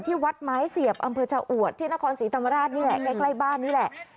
วัดไม้เสียบอำเภอชะอวดที่นครศรีธรรมราชนี่แหละใกล้บ้านนี่แหละ